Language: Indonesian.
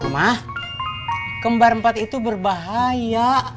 mah kembar empat itu berbahaya